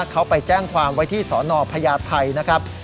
เขาไปแจ้งความไว้ที่สนพญาไทยนะครับ